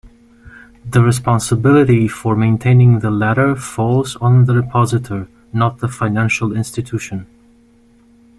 The responsibility for maintaining the ladder falls on the depositor, not the financial institution.